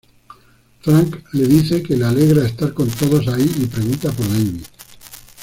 Frank les dice que le alegra estar con todos ahí y pregunta por David.